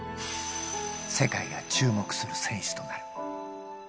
世界が注目する選手となる。